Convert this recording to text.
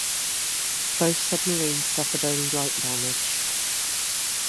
Both submarines suffered only light damage.